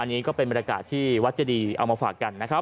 อันนี้ก็เป็นบรรกาศที่วัดเจ็ดีเอามาฝาก